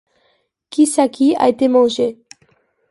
Qui ça qui a été mangé?